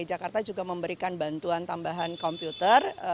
dki jakarta juga memberikan bantuan tambahan komputer